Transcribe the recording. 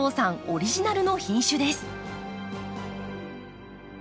オリジナルの品種です。